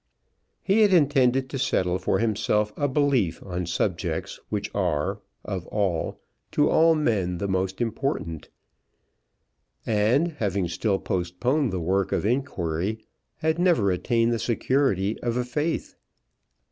He had intended to settle for himself a belief on subjects which are, of all, to all men the most important; and, having still postponed the work of inquiry, had never attained the security of a faith.